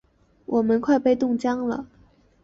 我们快被冻僵了！